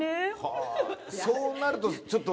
そうなるとちょっと。